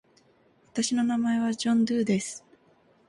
私の名前はジョン・ドゥーです。